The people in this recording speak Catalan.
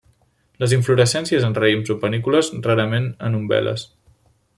Les inflorescències en raïms o panícules, rarament en umbel·les.